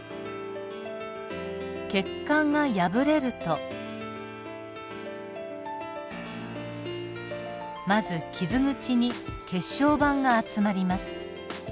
血管が破れるとまず傷口に血小板が集まります。